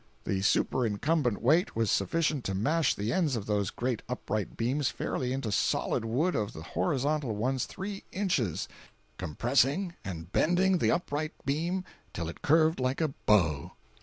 The superincumbent weight was sufficient to mash the ends of those great upright beams fairly into the solid wood of the horizontal ones three inches, compressing and bending the upright beam till it curved like a bow.